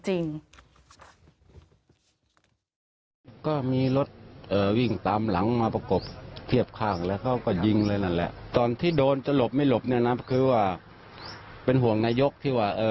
อเจมส์ไม่รู้ครับไม่เคยมีตัวตัวที่ไหนเลยมีเหตุการณ์ในนั้นนะครับ